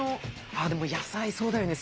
あっでも野菜そうだよね